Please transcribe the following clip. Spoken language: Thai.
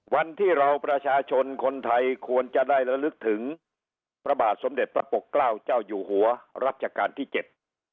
วันที่เราประชาชนคนไทยควรจะได้ระลึกถึงพระบาทสมเด็จพระปกเกล้าเจ้าอยู่หัวรัชกาลที่เจ็ด